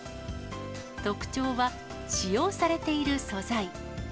特徴は、使用されている素材。